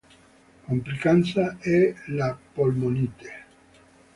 Complicanza è la polmonite.